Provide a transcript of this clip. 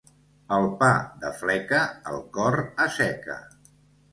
El pa de fleca el cor asseca.